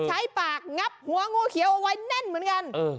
ใช้ปากงับหัวงูเขียวเอาไว้แน่นเหมือนกัน